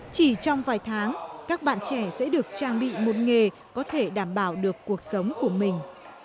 chỉ trong vài tháng các bạn trẻ sẽ được trang bị một nghề có thể đảm bảo được cuộc sống của mình